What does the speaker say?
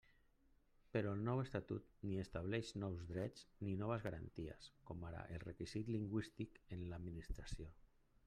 Però el nou Estatut ni estableix nous drets ni noves garanties, com ara el requisit lingüístic en l'Administració.